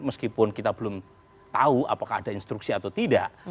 meskipun kita belum tahu apakah ada instruksi atau tidak